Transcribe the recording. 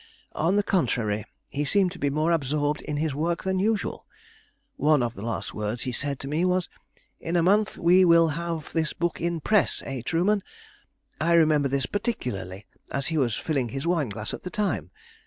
On the contrary, he seemed to be more absorbed in his work than usual. One of the last words he said to me was, 'In a month we will have this book in press, eh, Trueman?' I remember this particularly, as he was filling his wineglass at the time.